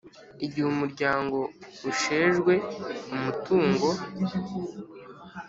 Igihe umuryango usheshejwe umutungo